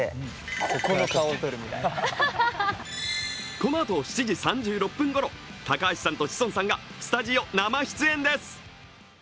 このあと、７時３６分ごろ高橋さんと志尊さんがスタジオ生出演です。